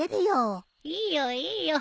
いいよ。いいよ。